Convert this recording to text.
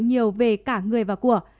nhiều về cả người và của